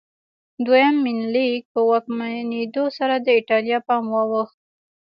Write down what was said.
دویم منیلیک په واکمنېدو سره د ایټالیا پام واوښت.